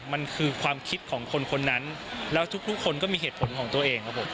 มันคือความคิดของคนคนนั้นแล้วทุกคนก็มีเหตุผลของตัวเองครับผม